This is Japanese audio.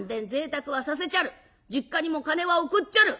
贅沢はさせちゃる実家にも金は送っちゃる。